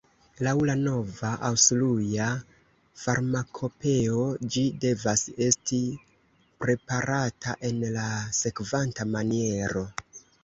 Laŭ la nova Aŭstruja farmakopeo ĝi devas esti preparata en la sekvanta maniero